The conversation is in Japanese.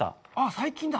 最近だ。